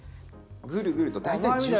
ぐるぐると大体１０周。